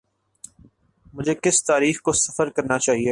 مجھے کس تاریخ کو سفر کرنا چاہیے۔